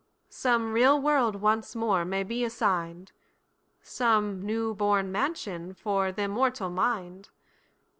Some real world once more may be assign'd, Some new born mansion for th' immortal mind!